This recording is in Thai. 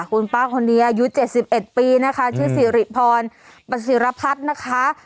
คุณป้าคนนี้อายุ๗๑ปีนะคะชื่อสิริพรประสิรพัฒน์นะคะ